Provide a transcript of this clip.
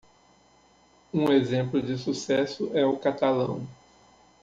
Um exemplo de sucesso é o catalão.